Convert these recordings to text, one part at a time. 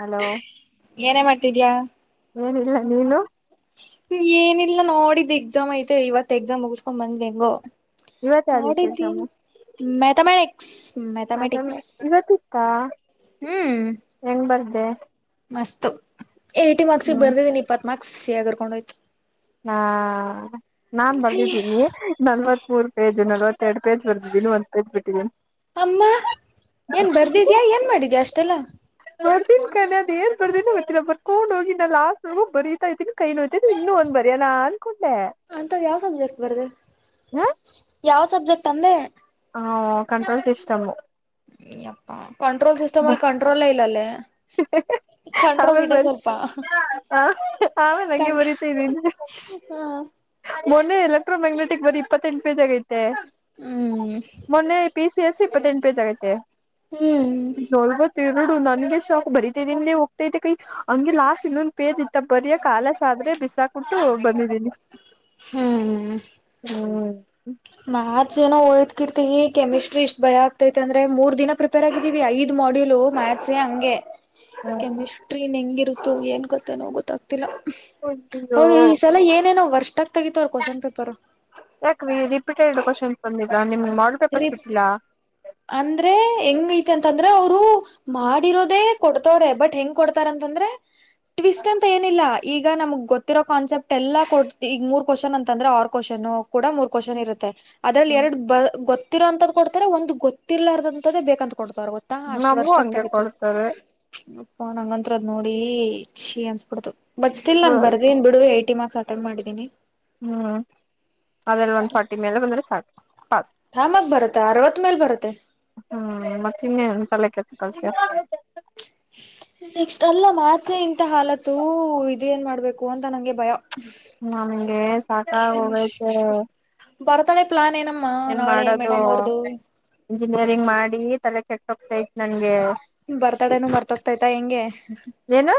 hello ಏನೇ ಮಾಡ್ತಿದ್ಯಾ ಏನಿಲ್ಲ ನೀನು ಏನಿಲ್ಲ ನೋಡಿದ್ ಎಕ್ಸಾಮ್ ಐತೆ ಇವತ್ ಎಕ್ಸಾಮ್ ಮುಗಸ್ಕೊಂಡ್ ಬಂದ್ ಹೆಂಗೋ ಇವತ್ತ ಯಾವ್ದಿತ್ತು ನೋಡಿದ್ದನ್ ಮ ಅದ ಇವತ್ತಿತ್ತ ಹ್ಮ್ ಹೆಂಗ್ ಬರ್ ಮಸ್ತು ಏಯ್ಟಿ ಮಾರ್ಕ್ಸಿಗೆ ಹ್ಮ್ ಬರ್ದಿದೀನಿ ಇಪ್ಪತ್ತು ಮಾರ್ಕ್ಸ್ ಸಾಗಿರ್ಕೊಂಡ ಹೋಯ್ತು ಹಾ ನಾನ್ ಬಂದಿದ್ದೀನಿ ನಲವತ್ಪುರ್ ಪೇ ನವತ್ತರಡು ಪೇಜ್ ಬರ್ದ್ದೀನಿ ಒಂದ ಪೇಜ್ ಬಿಟ್ಟಿದ್ದೀ ಅಮ್ಮ ಏನ್ ಬರ್ದಿದ್ಯಾ ಏನ್ ಮಾಡಿದ್ಯಾ ಅಷ್ಟೆಲ್ಲ ಗೋತನ್ ಕನ್ ಅ ಏರ್ ಬರ್ದೇ ಗೊತ್ತಿಲ್ಲರ್ಡ ಹೋಗಿ ಲಾಸ್ಟ್ ನೋಗ ಬರೀತಾ ಇದೀನಿ ಕೈ ನೋತ ನುನ್ ಬರೆಯ ನಾಲ್ ಅಂತ ಯಾವ್ ಸಬ್ಜೆಕ್ಟ್ ಬರ್ದೆ ಯಾವ ಸಬ್ಜೆಕ್ಟ್ ಅಂದೆ ಹ ಕಂಟ್ರೋಲ್ ಸಿಸ್ಟಮ್ ಅಪ್ಪ ಕಂಟ್ರೋಲ್ ಸಿಸಟಮ್ ಅಲ್ಲಿ ಕಂಟ್ರೋಲ್ ಇಲ್ಲಲ್ಲೇ ಹ ಕಂಟ್ರೋಲ್ ಆಮೇಲೆ ಇದೆ ಬರಿ ಸ್ವಲ್ಪ ಆಮೇಲೆ ಹಂಗೆ ಕಂಟ್ರೋ ಮರಿತರಿ ಹಾ ಮೊನ್ನ ಎಲೆಟ್ರೋ ಮ್ಯಾಗ್ನೆಟಿಕ್ ಬರಿ ಇಪ್ಪತ್ತೆಂಟುಜಿ ಆಗೈತಿ ಹ್ಮ್ ಮೊನ್ನೆ ಪಿ ಸಿ ಎಸ್ ಇಪ್ಪತ್ತೆಂಟು ಪೇಜ ಆಗೈತೆ ಹ್ಮ್ ನೋಡು ನನ್ಗೆ ಶಾಕ್ ಬರಿತೈನ್ಲ್ಲಿ ಹೋಗ್ತೈತೆ ಕೈ ಹಂಗೆ ಲಾಸ್ಟ್ ಇನ್ನೊಂದು ಪೇಜ್ ಇತ್ತ ಬರಿ ಕಾಲಸ್ ಆದ್ರೆ ಬಿಸಾಕಟ್ಟು ಬಂದಿದ್ದೀನಿ ಹ್ಮ್ ಹ್ಮ್ ಮ್ಯಾತ್ಸ್ ಏನೋ ಓದ್ಕಿರ್ತತಿವಿ ಕೆಮಿಸ್ಟ್ರಿ ಇಷ್ಟ್ ಭಯ ಆಗ್ತೈತೆ ಅಂದ್ರ ಮೂರ್ ದಿನ ಪ್ರಿಪೇರ್ ಆಗಿದೀವಿ ಐದು ಮಾಡ್ಯೂಲ್ ಮ್ಯಾಥಸ ಹಂಗೆ ಕೆಮಿಸ್ಟ್ರಿ ಇನ್ನು ಹೆಂಗಿರುತ್ತು ಏನ್ ಕತೆನೋ ಗೊತ್ತಾಗ್ತಿಲ್ಲ ಅಯ್ಯೋ ಅವ್ರ ಈ ಸಲ ಏನೇನೋ ವರ್ಷ್ಟಕ್ ತಗತ ಅವ್ರ ಕ್ವಶನ್ ಪೇಪರ್ ಡ್ ಕ್ವನ್ಸ್ ಬಂದಿದ್ದ ನಿಮ್ಗೆ ಮಾಡಾರ್ಲ್ ಪೇಪರ್ಸ್ ರಿಪ್ ಬಿಟ್ಟಿಲ್ಲ ಅಂದ್ರೆ ಹೆಂಗ ಐತೆ ಅಂತಂದ್ರೆ ಅವರು ಮಾಡಿರೋದೇ ಕೊಡ್ತವ್ರೆ ಬಟ್ ಹೆಂಗ ಕೊಡ್ತಾರಂತ ಅಂದ್ರೆ ಟ್ವಿಸ್ ಅಂತ ಏನಿಲ್ಲ ಈಗ ನಮ್ಗ್ ಗೊತ್ತಿರ ಕಾನ್ಸೆಪ್ಟ ಎಲ್ಲ ಕೊಡ್ತಿ ಈಗ ಮೂರ್ ಕ್ವಶನ್ ಅಂತಂದ್ರೆ ಆರ್ ಕ್ವಶನ್ ಕೂಡ ಮೂರ್ ಕ್ವಶನ್ ಇರುತ್ತೆ ಅದ್ರಲ್ಲಿ ಎರಡು ಗೊತ್ತಿರೋ ಅಂತದ್ ಕೊಡ್ತಾರೆ ಒಂದು ಗೊತ್ತ ತಿರ್ಲಾರದಂತದೇ ಬೇಕ ಕೊಡ್ತ್ರ ಗೊತ್ತಾ ಅಷ್ಟ್ ನಮಗೂ ವರ್ಷಕ್ಕೆ ಹಂಗೆ ತಗತವರ್ ಕೊಡ್ತಾರೆ ಅಪ್ಪ ನಂಗಂತತ್ರ ಅದ್ ನೋಡಿ ಈ ಚಿ ಅನ್ಸ್ಬಿಡ್ದು ಬಟ್ಸ್ತಿಲ್ಲ ನಾನನ್ ಬರ್ದನ್ ಬಿಡು ಯಿ ಮಾರ್ಕ್ಸ್ ಅಟೆಂಡ್ ಮಾಡಿದ್ದೀನಿ ಹ್ಮ್ ಅದೆಲ್ಲ ಒಂದ್ ಫಾರ್ಟಿ ಮೇಲೆ ಬಂದ್ರೆ ಸಾಕು ಆರಾಮಾಗ್ ಬರುತ್ತೆ ಅರವತ್ ಮೇಲ್ ಬರುತ್ತೆ ಹ್ಮ್ ಮಾತೇನೇನು ತಲೆ ಕೆಡಿಸ್ಕೊ [unintelligible] ನೆಕ್ಟ್ ಅಲ್ಲ ಮಾಥ್ಸ್ ಹೇ ಇಂತ ಹಾಲತು ಇದೇಏನ್ ಮಾಡ್ಬೇಕು ಅಂತ ನಂಗೆ ಭಯ ನನ್ಗೆ ಸಾಕಾಗಿ ಹೋಗೈತೆ ಕೆಮಿಸ್ಟ್ರಿ ಬರ್ತಡೆ ಪ್ಲಾನ್ ಏನಮ್ಮ ಏನ್ ನಾಳೆ ಮಾಡೋದು ಮೇಡಮ್ ಅವ್ರದು ಇಂಜಿನಿಯರಿಂಗ್ ಮಾಡಿ ತಲೆ ಕೆಟ್ಟ ಹೋಗ್ತಾತ್ ನನ್ಗೆ ಬರ್ತಾಡೆನು ಮರ್ತಹೋಗ್ತಾಯಯ್ತಾ ಹೆಂಗೆ ಏನು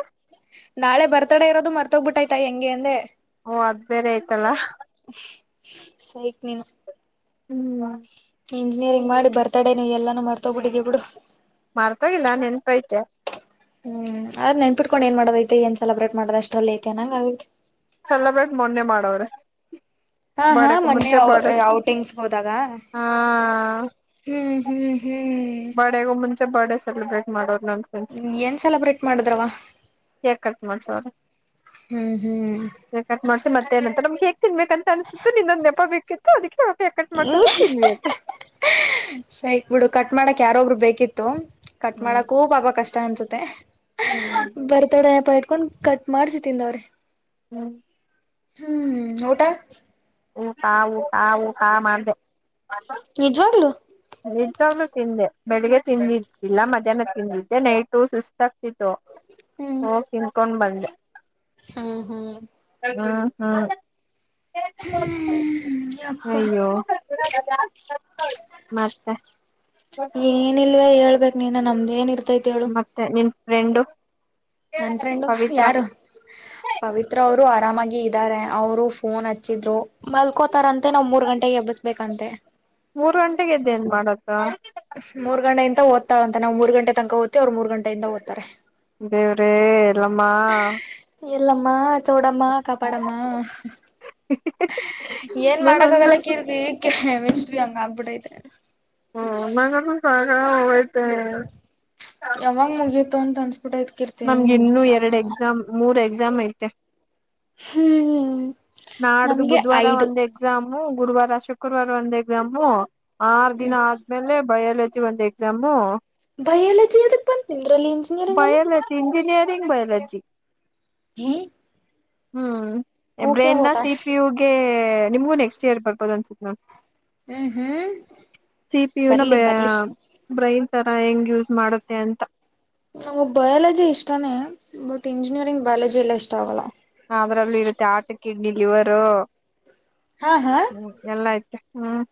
ನಾಳೆ ಬರ್ತಡೆ ಇರೋದು ಮರ್ತೋಗ್ಬಿಟ್ಟಾಯ್ತಾ ಹೆಂಗೆ ಅಂದೆ ಓ ಅದ್ ಬೇರೆ ಆಯ್ತಲ್ಲ ಸೈಕ್ ನೀನು ಹ್ಮ್ ಇಂಜಿನಿಯರಿಂಗ್ ಮಾಡಿ ಬರ್ತಾಡೇನು ಎಲ್ಲಾನೂ ಮರ್ತೋಗ್ಬಿಟ್ಟಿದಿ ಬಿಡು ಮಾರ್ತೋಗಿಲ್ಲ ನೆನಪು ಆಯ್ತೆ ಹ್ಮ್ ಅದ್ ನೆನ್ಪಿಟ್ಕೊಂಡ್ ಏನ್ ಮಾಡದ ಐತೆ ಏನ್ ಸೆಲೆಬ್ರೇಟ್ ಮಾಡದ ಅಷ್ಟ್ರಲ್ಲಿ ಐತೆ ಅನಂಗ ಆಗೈತಿ ಸೆಲೆಬ್ರೇಟ್ ಮೊನ್ನೆ ಮಾಡವ್ರೆ ಹಾ ಹಾ ಬರ್ಡೇಗೂ ಮೊನ್ನೆ ಮುಂಚೆ ಬರ್ಡೇ ಔಟಿಂಗ್ಸ್ ಹೋದಾಗ ಹಾ ಹ್ಮ್ ಹ್ಮ್ ಹ್ಮ್ ಬರ್ಡೇಗೂ ಮುಂಚೆ ಬರ್ಡಡೆ ಸೆಲೆಬ್ರೇಟ್ ಮಾಡೋದು ಹ ಏನ್ ಸೆಲೆಬ್ರೇಟ್ ಮಾಡಿದ್ರವ ಕೇಕ್ ಕಟ್ ಮಾಡ್ಸವ್ರೆ ಹ್ಮ್ ಹ್ಮ್ ಮನಂತ ನಮ್ಗೆ ಕೇಕ್ ತಿನ್ಬೇಕ ಅಂತ ಅನ್ಸುತ್ತು ನಿನ್ನದೊಂದು ನೆಪ ಬೇಕಿತ್ತು ಅದಕ್ಕೆ ಕೇಕ್ ಕಟ್ ಹ್ಮ್ ಮಾಡ್ಸೋದೆ ತಿಂದ್ವಿ ಅಂತೆ ಸೈಕ್ ಬಿಡು ಕಟ್ ಮಾಡಕ್ ಯಾರೊಬ್ರು ಬೇಕಿತ್ತು ಕಟ್ ಹ್ಮ್ ಮಾಡಕೂ ಪಾಪಾ ಕಷ್ಟ ಅನ್ಸುತ್ತೆ ಹ್ಮ್ ಬರ್ತಾಡಪ ನೆಪ ಇಟ್ಟುಕೊಂಡು ಕಕೊಂಡ್ ಕಟ್ ಮಾಡ್ಸಿ ತಿಂದವರೇ ಹ್ಮ್ ಹ್ಮ್ ಊಟ ಊಟ ಊಟ ಊಟ ಮಾಡ್ದ ನಿಜವಾಗ್ಲು ನಿಜವಾಗ್ಲೂ ತಿಂದೆ ಬೆಳಿಗ್ಗೆ ತಿಂದಿದ್ದಿಲ್ಲ ಮಧ್ಯಾಹ್ನ ತಿಂದಿದ್ದೆ ನೈಟು ಸುಸ್ತ್ ಆಗ್ತಿತು ಹ್ಮ್ ಹೋಗಿ ತಿನ್ಕೊಂಡ್ ಬಂದೆ ಹ್ಮ್ ಹ್ಮ್ ಹ್ಮ ಹ್ಮ್ ಹ್ಮ್ ಹ್ಮ್್ಮ ಅಯ್ಯೋ ಮತ್ತೆ ಏನಿಲ್ವ ಹೇಳ್ಬೇಕ್ ನೀನ್ ನಮ್ದ ಏನಿರುತ್ತೆ ಮತ್ತೆ ನಿನ್ ಫ್ರೆಂಡು ನನ್ ಫ್ರೆಂಡು ಪವಿತ್ರ ಯಾರು ಪವಿತ್ರ ಅವರು ಆರಾಮಾಗಿ ಇದಾರೆ ಅವರು ಫೋನ್ ಹಚ್ಚಿದ್ರು ಮಲ್ಕೋತಾರಂತೆ ನಾವ್ ಮೂರ್ ಗಂಟೆಗೆ ಎಬ್ಬಿಸಬೇಕಂತೆ ಮೂರ್ ಗಂಟೆಗೆದ್ದ ನ್ ಮಾಡತ್ತ ಮೂರ್ ಗಂಟ ಇಂದ ಓದ್ತಾರ ಅಂತ ನಾವು ಮೂರ್ ಗಂಟೆ ತನಕ ಹೋದ ಅವ್ರು ಮೂರ್ ಗಂಟೆಯಿಂದಓದ್ತಾರೆ ದೇವ್ರೇ ಎಲ್ಲಮ್ಮ ಎಲ್ಲಮ್ಮ ಚೌಡಮ್ಮ ಕಾಪಾಡಮ್ಮ ಏನ್ ನನ್ ಮಾಡಕ್ ಆಗಲ್ಲ ಹಂಗಂತೂ ಕೀರ್ತಿ ಕೆಮಿಸ್ಟ್ರಿ ಹಂಗ್ ಹಾಗಿಬಿಟೈತೆ [unintelligible] ಯಾವಾಗ ಮುಗಿತಿತು ಅಂತ ಅನಿಸಬಿಟೈತೆ ನಮ್ಗೆ ಇನ್ನುೂ ಎರಡ್ ಎಕ್ಸಾಮ್ ಮೂರ್ ಎಕ್ಸಾಮ್ ಐತೆ ಹ್ಮ್ ನಾಡ್ದು ನಮ್ಗೆ ಬುಧವಾರ ಐದು ಒಂದು ಎಕ್ಸಾಮು ಗುರುವಾರ ಶುಕ್ರವಾರ ಒಂದ್ ಎಕ್ಸಾಮು ಆರು ದಿನ ಆದ್ಮೇಲೆ ಬಯೋಲಜಿ ಒಂದು ಎಕ್ಸಾಮು ಬಯಾಲಜಿ ಯದಕ್ ಬಂತು ನಿಮಗೆ ಬಯೋಲಜಿ ಇಂಜಿನಿಯರಿಂಗ್ ಬಯೋಲಜಿ ಹ್ಮ್ ಹ್ಮ್ ಓಕೆ ಬ್ರೇನ್ ನ ಹೋತಾ ಸಿಪಿ ಯುಗೆ ನಿಮ್ಗೂ ನೆಕ್ಸ್ಟ್ ಇಯರ್ ಬರ್ಬೋದು ಅನ್ಸತ್ ನ್ ಹ್ಮ್ ಹ್ಮ್ ಸಿಪ ಯು ನ ಬರ್ಲಿ ಬರ್ಲಿ ಬ್ರೈನ್ ತರ್ ಹೆಂಗ್ ಯೂಸ್ ಮಾಡುತ್ತೆ ಅಂತ ನಮ್ಗ್ ಬಯಾಲಜಿ ಇಷ್ಟಾನೇ ಬಟ್ ಇಂಜಿನಿಯರಿಂಗ್ ಬಯಾಲಜಿ ಎಲ್ಲ ಇಷ್ಟ ಆಗಲ್ಲ ಅದ್ರಲ್ಲೂ ಇರುತ್ತೆ ಆರ್ಟ್ ಕಿಡ್ನಿ ಲಿವರು ಹಾ ಹಾ ಹ್ಮ ಎಲ್ಲ ಆಐ್ತ ಹ್ಮ್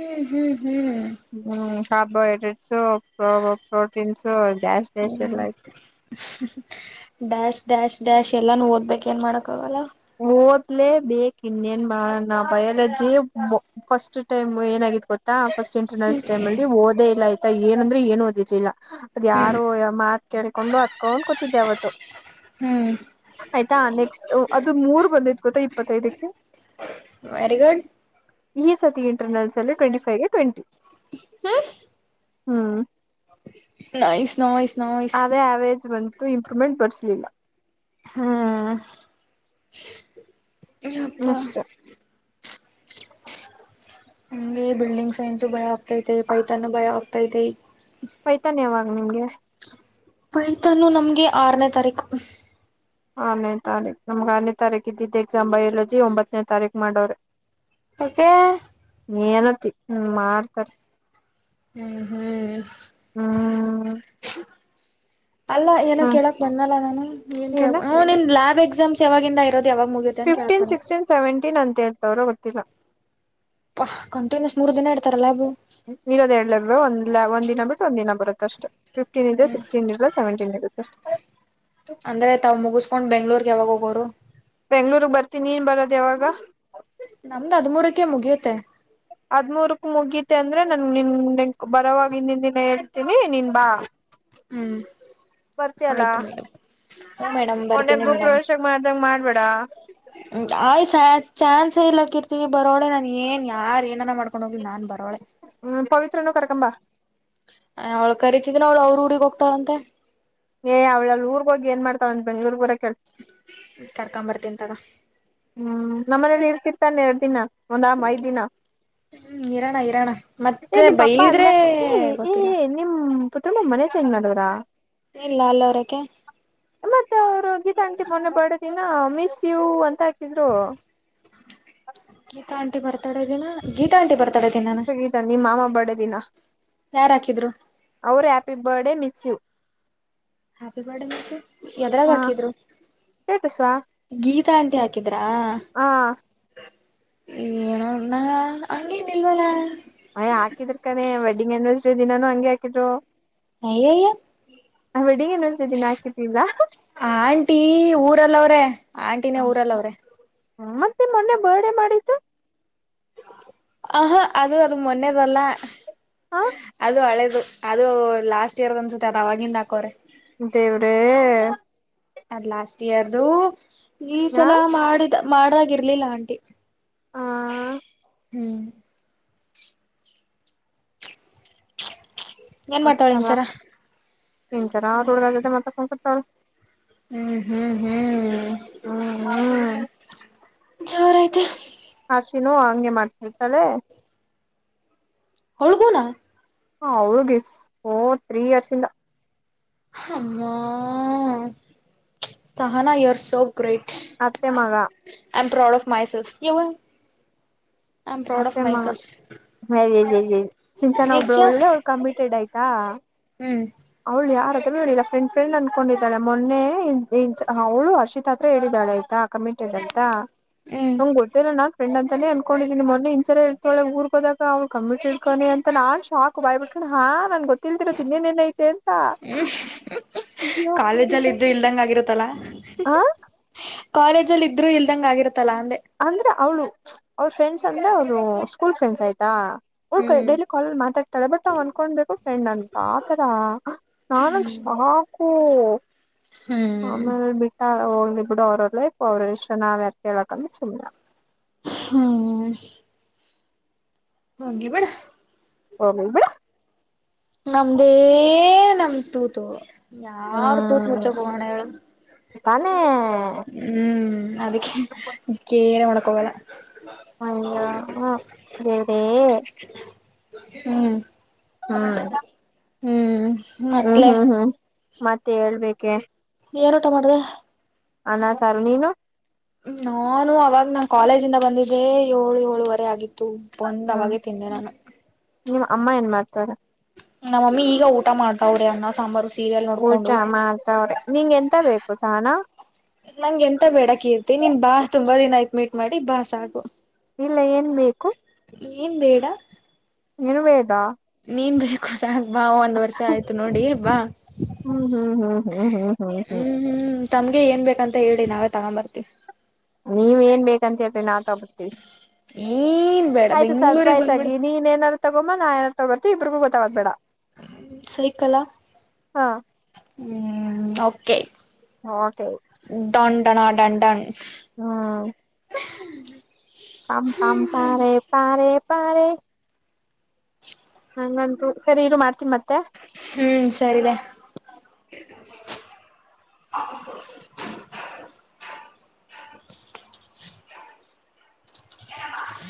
ಹ್ಮ್ ಹ್ಮ್ ಹ್ಮ್ ಹ್ಮ್ ಸಬ ಸ ಪ್ರೋಟೀನ್ ಸ ಹ್ಮ ಡ್ಯಾಶ್ ಡ್ಯಾಶ್ ಡ್ಯಾಶ್ ಎಲ್ಲಾ ಓದ್ಬೇಕ ಏನ್ ಮಾಡೋಕ್ಕಾಗಲ್ಲ ಓದ್ಲೆೇ ಬೇಕ ಇನ್ನೇನ್ ಮಾಡೋಣ ಭಯಲಾಜಿ ಫಸ್ಟ್ ಟೈಮ್ ಏನ ಗೊತ್ತಾ ಫಸ್ಟ್ ಇಂಟರ್ಲ್ ಟೈಮ್ಲ್ಲಿ ಓದ ಇರ್ಲಿಲ್ಲ ಅಂದ್ರೆ ಏನ್ ಓದಿರ್ಲಿಲ್ಲ ಅದು ಹ್ಮ್ ಯಾರೋ ಮಾತ್ ಕೇೇಳಕೊಂಡು ಅತ್ಕೊಂಡ್ ಕೂತಿದ್ದೆ ಅವತ್ತು ಹ್ಮ್ ಆಯ್ತಾ ನೆಕ್ಸ್ಟ್ ಅದು ಮೂರ್ ಬಂದಿದ ಗೊತ್ತಾ ಇಪ್ಪತ್ತೈದಕ್ಕೆ ವೆರಿ ಗುಡ್ ಈ ಸತಿ ಇಂಟರ್ನಲ್ಸ್ ಅಲ್ಲಿ ಟ್ವೆಂಟಿ ಫೈವ್ಗೆ ಟ್ವೆಂಟಿ ಹ್ಮ್ ನೈಸ್ ನೈಸ್ ನೈಸ್ ಅದೇ ಆವರೇಜ್ ಬಂತು ಇಂಪ್ರೂವ್ಮೆಂಟ್ ಬರ್ಸಲಿಲ್ಲ ಹ್ಮ್ ಯಪ್ಪ ಅಷ್ಟೆ ಹಮಗೆ ಬಿಲ್ಡಿಂಗ್ ಸೈನ್ಸು ಭಯ ಆಗ್ತೈತೆ ಪೈತಾನ ಭಯ ಆಗ್ತೈತೇ ಪೈತನ್ ಯಾವಾಗ ನಿಮ್ಗೆ ಪೈತನು ನಮ್ಗೆ ಆರನೇ ತಾರೀಕು ಆರಾನೆ ತಾರೀಕ್ ನಮ್ಗ್ ಆರನೇ ತಾರೀಕ ಇದ್ದಿದ್ದು ಎಕ್ಸಾಂ ಬೈಲಜಿ ಒಂಬತ್ತನೇ ತಾರೀಖ ಮಾಡುವರೇ ಯಾಕೆ ನೀಏನತಿ ಹ ಮಾಡ್ತಾರ ಹ್ಮ್ ಹ್ಮ್ ಹ್ಮ್ ಅಲ್ಲ ಏನೋ ಹ್ಮ್ ಕೇಳಕ್ ಬಂದಲ್ಲ ನಾನು ಏನ್ ಕ ಏನ ನಿನ್ ಲ್ಯಾಬ್ ಎಕ್ಸಾಮ್ಸ್ ಯಾವಾಗಿಂದ ಇರದ ಫಿಫ್ಟೀನ್ ಸಿಕ್ಸ್ಟೀನ್ ಸೆವೆಂಟೀನ್ ಅಂತೇಳ್ತವ್ರೋ ಗೊತ್ತಿಲ್ಲ ಹ ಕಂಟಿನ್ಯೂಸ್ ಮೂರ್ ದಿನ ಇಡ್ತಾರಲ್ಲಾಬು ಇರೋದ್ ಎರ್ಲ ಒಂದ್ ಒಂದ್ ನಾ ಬಿಟ್ಟು ಒಂದ ನ ಬರುತ್ತ ಅಷ್ಟೆ ಫಿಫ್ಟೀನ್ ಇದೆ ಹ್ಮ್ ಸಿಕ್ಸ್ಟೀನ್ ಇರಲ್ಲ ಸವೆಂಟೀನ್ ಇರುತ್ತ ಅಷ್ಟ ಅಂದ್ರೆ ತಾವ್ ಮುಗಿಸಸ್ಕೊಂಡ್ ಬೆಂಗಳೂರು ಯಾವಾಗ ಹೋಗೋರು ಬೆಂಗಳೂರು ಬರ್ತೀನಿ ಏನ್ ಬರೋದು ಯಾವಾಗ ನಮ್ದು ಹದ್ಮೂರಕ್ಕೆ ಮುಗಿಯುತ್ತೆ ಹದ್ಮೂರ್ಕ್ ಮುಗತೆ ಅಂದ್ರೆ ನನ್ ನಿನ್ನ್ ಬರವಾಗ ಹಿಂದಿನ ದಿನ ಹೇಳ್ತೀವಿ ನೀನ್ ಬಾ ಹ್ಮ್ ಬರ್ತಿಯಲ್ಲ ಆಯ್ತು ಮೇಡಂ ಹ್ಮ ಮೇಡಮ್ ಮೊನ್ನೆ ಬರ್ತೀನಿ ಮೇಡಮ್ ಗೃಹಪ್ರವೇಶ ಮಾಡ್ದಂಗ ಮಾಡ್ಬೇಡ ಆಯ್ ಚಾನ್ಸ ಇಲಕ್ಕ ಇರ್ತವಿ ಬರೋಳೆ ನಾನನ್ ಏನ್ ಯಾರ್ ಏನ ಮಾಡ್ಕ ನಾನ್ ಬರೋಳೆ ಹ್ಮ್ ಪವಿತ್ರನು ಕರಕಂಬ ಅವ್ಳ ಕರೀತಿದನ ಅವ್ಳು ಅವ್ರ ಊಗ್ ಹೋಗ್ತಾಳಂತೆ ಏ ಅವ್ಳಲ್ಲಿ ಊರ್ಗ ಹೋಗಿ ಏನ್ ಮಾಡ್ತಾವಂದ ಬೆಂಗೂಳೂರು ಬರೋಕೆ ಹೇಳು ಕರ್ಕೊಂಬರ್ತೀನಿ ತಗ ಹ್ಮ್ ನಮ್ಮ ಮನೇಲಿ ಇರ್ತಿರ್ತಾನೆ ಎರಡ್ ದಿನ ಒಂದ್ ಐದ್ ದಿನ ಹ್ಮ್ ಇರೋಣ ಇರೋಣ ಏ ಮತ್ತೆ ನಿ ಪಾಪ ಅಲ್ಲ ಬೈದ್ರೆ ಏ ಗೊತ್ತಿಲ್ಲ ಏ ನಿಮ ಪತ್ರ ಮಮ್ಮನೇ ಚೇಂಜ್ ಮಾಡಿದ್ರ ಇಲ್ಲ ಅಲ್ಲೋರಕ ಮತ್ತೆ ಅವ್ರು ಗೀತಾಂಟಿ ಮೊನ್ನ ಬಡದಿನ ಮಿಸ್ ಯು ಅಂತ ಇದ್ರೂ ಗೀತಾಂಟಿ ಬರ್ತಾಡೋದಿನ ಗೀತಾ ಆಂಟಿ ಬರ್ತಾ ಸಂಗೀತ ನಿಮ್ಮ್ ಮಾಮಾ ಬರ್ಡೇ ದಿನ ಯಾರ್ ಹಾಕಿದ್ರು ಅವ್ರ ಹ್ಯಾಪಿ ಬರ್ಡೇ ಮಿಸ್ ಸಿು ಹ್ಯಾಪಿ ಬರ್ಡೇ ಮ ಎದರಾಗ ಹಾಕಿದ್ರು ಸ್ಟೇಟಸಾ ಗೀತಾ ಅಂಟಿ ಹಾಕಿದ್ರಾ ಹಾ ಏನೋಣ್ಣ ಹಂಗೇನ್ ಇಲ್ವಲ್ಲ ಅಯ್ ಹಾಕಿದ್ರ ಕಾನೇ ವೆಡ್ಡಿಂಗ್ ಅನಿವರ್ಸರಿ ದಿನಾನೂ ಹಂಗೆ ಹಾಕಿದ್ರು ಹ ಬಗೇನುದ ದಿನ ಹಾಕತಿಲ್ಲ ಆಂಟಿ ಊರಲ್ಲ ಅವ್ರೆ ಆಂಟಿನೇ ಊರಲ್ಲ ಅವ್ರೆ ಮತ್ತೆ ಮೊನ್ನೆ ಬರ್ಡೆ ಮಾಡಿದ್ದ ಆಹಾ ಅದು ಅದು ಮೊನ್ನೆದಲ್ಲ ಹ ಅದು ಹಳೇದು ಅದು ಲಾಸ್ಟ್ ಇಯರ್ ಅನ್ಸುತ್ತೆ ಅದ ಅವಾಗಿಂದ ಹಾಕೋರೆ ದೇವ್ರೇ ಅದ್ ಲಾಸ್ಟ್ ಇಯರ್ದು ಈ ಹ ಸಲ ಮಾಡಿದ ಮಾಡ್ದಾಗಿ ಇರ್ಲಿಲ್ಲ ಆಂಟಿ ಆ ಹ್ಮ್ ಏನ್ ಮಸ್ ಮಾಡ್ತಾವಳ ಚಲ್ಲ ಇಂಚರ ಇಂಚಾರ ಆತ ಒಳಗ ಮಾ ಕಸ ಟ ಹ್ಮ್ ಹ್ಮ್ ಹ್ಮ್ ಹ್ಮ್ ಹ್ಮ್ ಜೋರಐತೆ ಹಸಿನೋ ಹಂಗೆ ಮಾಡ್ತವಿ ತಳೆ ಹಡುಗುಣ ಹ ಅವಳಗ ಓ ತ್ರೀ ಇಯರ್ಸ್ ಇಂದ ಅಮ್ಮ ಸಹಾನ ಇವರ್ ಸೋ ಗ್ರೈಟ್ ಅತ್ಯೆ ಮಗ ಆಮ ಪ್ರೌಡ್ ಆಫ್ ಮಾಸೆಲ್ಫ ಕವ ಮತ್ತೆಮ್ಮ ಮ ಸಿಂಚನ ಒಬಳ ನಿಜ ಒಳ್ಳ ಅವಳ ಕಮಿಟೆಡ್ ಆಯ್ತಾ ಹ್ಮ್ ಅವಳು ಯಾರ ಫ್ರೆಂಡ್ ಫ್ರೆಂಡ್ ಅನ್ಕೊಂಡಿದ್ದಾಳ ಮೊ ಹ ಹುರ್ಷತ್ ಹತ್ರ ಹೇಳಾಳ ಆ್ತಾ ಕಮೆಂ [unintelligible] ಹ್ಮ್ ನಮ್ ಗೊತ್ತಿಲ್ಲ ನಾನ್ ಫ್ರೆಂಡ್ ಅಂತಾನೇ ಅನ್ಕೊಂಡಿದ್ದ ನಿನ್ ಮೊ ಹಂಚಾರ ಇತಳೆ ಊರ್ಗೋದಾಗ ಅವ್ಳ ಕಮ್ಮಿಟ್ ಇಡ್ಕನ ಅಂತ ನಾನ್ ಶಾಕ್ ಬಾಯ್ಬ ಬಿಟ್ಕೊಂಡ್ ಹಾ ನನ್ ಗೊತ್ತ ತಿಲ್ದಿರೋ ತಿ ಇನ್ನೇನ್ನ್ ಐತೆ ಅಂತ ಕಾಲೇಜ್ ಅಲ್ಲಿ ಇದೆ ಇಲ್ದಂಗ ಆಗಿರತ್ತಲ್ಲಾ ಆ ಕಾಲೇಜ ಅಲ್ಲಿ ಇದ್ರು ಇಲ್ದಂಗ ಆಗಿತ್ತೆ ಅಂದ್ರೆ ಅವಳು ಅವ್ರ ಫ್ರೆಂಡ್ಸ್ ಅಂದ್ರೆ ಅವ್ರು ಸ್ಕೂಲ್ ಫ್ರೆಂಡ್ಸ್ ಆಯ್ತಾ ಹಕ ಹ್ಮ್ ಡೈಲಿ ಕಾಲಲ್ಲಿ ಮಾತಾಡ್ತಾಳೆ ಬಟ್ ನಾವ್ ಅನ್ಕೊಬೇಕು ಫ್ರೆಂಡ್ ಅಂತ ಆತರ ನಾನ ಹಾ ಕೂ ಆಮೇಲೆ ಬಿಟ್ಟ ಹೋಗ್ಲಿ ಬಿಡು ಅವ್ರಲ್ಲ ಅವರು ಇಷ್ಟ ನಾವ ಯಾರ್ಳ ಚಲ್ಲ ಹಾ ಹಿ ಬೇಡ ಹ ನಮ್ದೇ ನಮ್ದ ತೂತು ಯಾರ ತೂತ್ ಹ್ಮ್ ಮುಚ್ಚಕ್ ಹೋಗೋಣ ಹೇಳು ತಾನೇ ಹ್ಮ್ ಅದಕ್ಕೆ ಕೇರೆ ಮಳಕ ಅಯ ದೇವಡೇ ಹ್ಮ್ ಹ್ಮ್ ಹ್ಮ್ ಹ್ಮ್ ಮತ್ಲೆ ಹ್ಮ್ ಹ್ಮ್ ಮತ್ತೆ ಹೇಳ್ಬೇಕೆ ಏರ ಉಟ ಮಾಡ್ರ ಅನ ಸಾರು ನೀನು ನಾನು ಅವಾಗ ನಾ ಕಾಲೇಜ ಇಂದ ಬಂದಿದ್ದೆ ಏಳು ಏಳುವರೆ ಆಗಿತ್ತು ಒಂದ ಹ್ಮ್ ಅವಾಗೆ ತಿಂದೆ ನಾನು ನಿಮ್ ಅಮ್ಮ ಏನ್ ಮಾಡ್ತಾರ ನಮ್ಮಮ್ಮಿ ಈಗ ಊಟ ಮಾಡ್ತಾವ್ರ ಈಗ ಸಾಂಬಾರು ಸೀರಿಯಲ್ ಊಟ ನೋಡ್ಕೊಂಡು ಮಾತ ಅವ್ರ ನಿಂ ಎಂತ ಬೇಕು ಸಾನ ನಂಗೆ ಎಂತ ಬೇಡಕಿ ಇತಿ ನೀನ್ ಬಾ ತುಂಬಾ ದಿನ ಆಯ್ತು ಮೀಟ್ ಮಾಡಿ ಬಾ ಸಾಗು ಇಲ್ಲ ಏನ್ ಬೇಕು ಏನ್ ಬೇಡ ಇನು ವೇದಾ ನೀನ್ ಬೇಕು ಸಾಾಗ ಬಾ ಒಂದ್ ವರ್ಷ ಆಯ್ತು ನೋಡಿ ಬಾ ಹ್ಮ್ ಹ್ಮ್ ಹ್ಮ್ ಹ್ಮ್ ಹ್ಮ್ ಹ್ಮ್ ಹ್ಮ್ ತಮ್ಗೆ ಏನ್ ಬೇಕಂತ ಹೇಳಿ ನಾವೇ ತಗೊಂಬರ್ತಿ ನೀವ್ ಏನ್ ಬೇಕಂತ ಹೇಳ್ರಿ ನಾವವು ತಗೋತೀವಿ ಏನ್ ಬೇಡ ಆಯ್ತು ಬೆಂಗ್ಳೂಗ್ ಸರ್ಪ್ರೈಸ್ ಬಂದ್ಬಿಡು ಆಗಿ ನೀನನಾರ ತಗೊಮ್ಮ ನಾ ಯಾರ ತಗೋರ್ತಿ ಇಬರಿಗೂ ಗೊತಗಬೇಡ ಸೈಕಲಾ ಹಾ ಹ್ಮೆ ಹಾ ಸ ದಂಡನಾ ದಂಡನ್ ಹ್ಮ ಹ್ಮ್ ಪಂ ಪಂ ಪಾರೆ ಪಾರೆ ಪಾರೆ ನಂಗಂತೂ ಸರಿ ಇರು ಮಾಡ್ತೀನಿ ಮತ್ತೆ ಹ್ಮ್ ಸರಿದ [inaudible] ಹ್ಮ